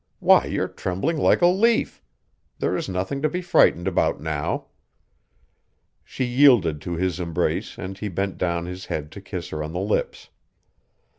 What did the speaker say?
Why, you're trembling like a leaf. There is nothing to be frightened about now." She yielded to his embrace and he bent down his head to kiss her on the lips.